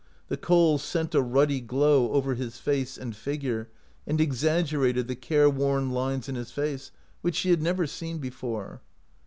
The coals sent a ruddy glow over his face and figure, and exaggerated the care worn lines in his face, which she had never seen before.